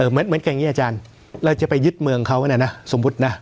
เหมือนอย่างนี้อาจารย์เราจะไปยึดเมืองเขาเนี่ยนะสมมุตินะ